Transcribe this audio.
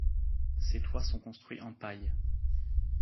Ces toits sont construits en paille.